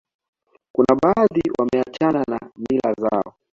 kuna baadhi wameachana na mila zao